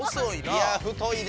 いや太いで。